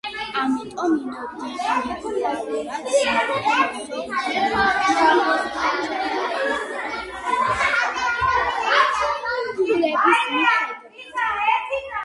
ამიტომ ინდივიდუალურად საუკეთესონი გამოარჩიეს ჩატარებულ პარტიებში დაგროვილი ქულების მიხედვით.